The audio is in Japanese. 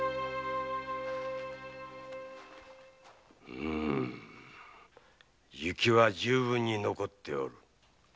うむ雪は十分に残っておる。